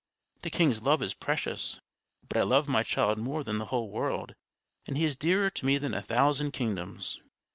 The king's love is precious; but I love my child more than the whole world, and he is dearer to me than a thousand kingdoms."